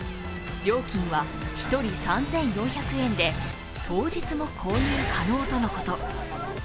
料金は１人３４００円で当日も購入可能とのこと。